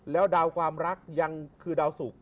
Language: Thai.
แล้วดาวความรักยังคือดาวสุก